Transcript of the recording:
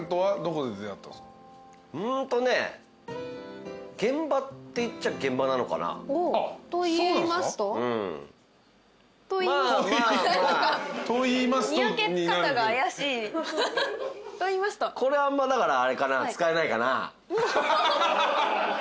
これはだからあれかな使えないかな。